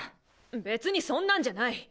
別にそんなんじゃない！